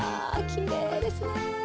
きれいですね